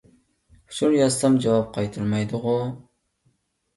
ئۇچۇر يازسام جاۋاب قايتۇرمايدىغۇ.